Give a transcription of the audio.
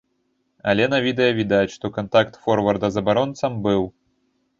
Але на відэа відаць, што кантакт форварда з абаронцам быў.